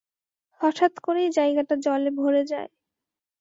হঠাৎ করেই জায়গাটা জলে ভরে যায়।